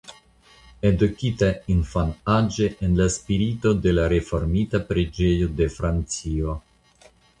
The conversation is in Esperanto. Edukita infanaĝe en la spirito de la Reformita Preĝejo de Francio.